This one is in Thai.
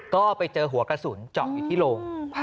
ก็ไปเจอหัวกระสุนเจาะอยู่ที่โรง